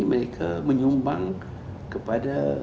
mereka menyumbang kepada